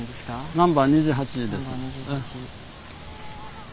ナンバー２８です。